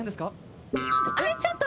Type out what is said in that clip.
あれちょっと。